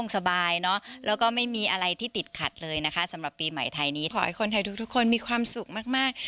สำหรับปีใหม่ไทยนี้ขอให้คนไทยทุกคนมีความสุขมาก